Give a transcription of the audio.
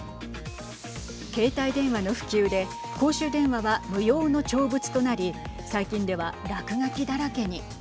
携帯電話の普及で公衆電話は無用の長物となり最近では、落書きだらけに。